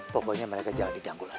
pokoknya mereka jangan didanggul lagi